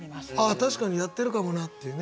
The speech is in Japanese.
確かにやってるかもなっていうね。